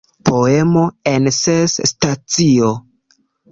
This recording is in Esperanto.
Poemo en ses stacioj.